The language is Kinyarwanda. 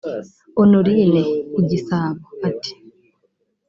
Honorine (Igisabo) ati